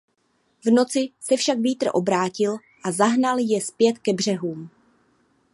V noci se však vítr obrátil a zahnal je zpět ke břehům.